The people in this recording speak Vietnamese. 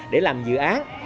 để làm dự án